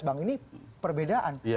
bang ini perbedaan